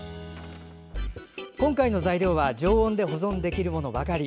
今回の材料は常温で保存できるものばかり。